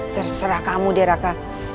terserah kamu deraka